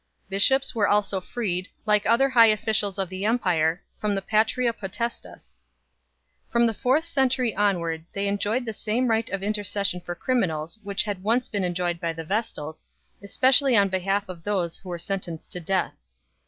Bishops were also freed, like other high officials of the empire, from the patria potestas 6 . From the fourth century on ward they enjoyed the same right of intercession for cri minals which had once been enjoyed by the Vestals, espe cially on behalf of those who were sentenced to death 7